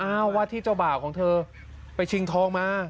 อ้าววัดที่เจ้าบ่าของเธอไปชิงทองมา